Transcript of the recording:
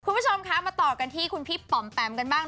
คุณผู้ชมคะมาต่อกันที่คุณพี่ป๋อมแปมกันบ้าง